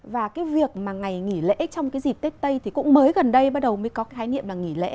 và cái việc mà ngày nghỉ lễ trong cái dịp tết tây thì cũng mới gần đây bắt đầu mới có khái niệm là nghỉ lễ